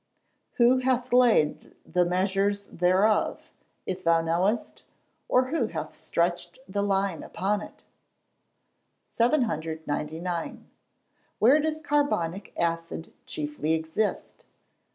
[Verse: "Who hath laid the measures thereof, if thou knowest? or who hath stretched the line upon it?"] 799. _Where does carbonic acid chiefly exist?